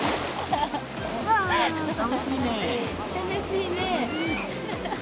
楽しいね。